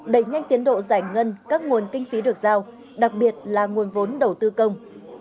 đẩy nhanh tiến độ giải ngân các nguồn kinh phí được giao đặc biệt là nguồn vốn đầu tư công